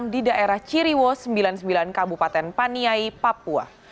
di daerah ciriwo sembilan puluh sembilan kabupaten paniai papua